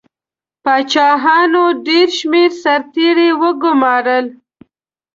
پاچاهانو ډېر شمېر سرتیري وګمارل.